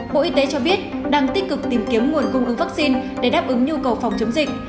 bộ y tế cho biết đang tích cực tìm kiếm nguồn cung ứng vaccine để đáp ứng nhu cầu phòng chống dịch